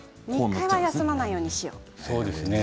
３日は休まないようにしない。